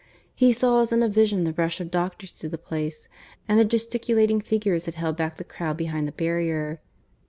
He saw as in a vision the rush of doctors to the place, and the gesticulating figures that held back the crowd behind the barrier.